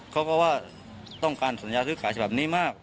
เพราะว่าต้องการสัญญาซื้อขายฉบับนี้มาก